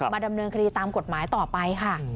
ดำเนินคดีตามกฎหมายต่อไปค่ะ